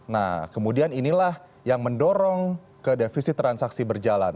nah kemudian inilah yang mendorong ke defisit transaksi berjalan